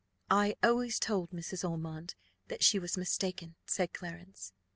"I always told Mrs. Ormond that she was mistaken," said Clarence.